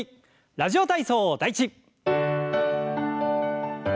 「ラジオ体操第１」。